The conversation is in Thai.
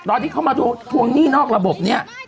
ตอนที่เขามาทวงหนี้นอกระบบเนี่ย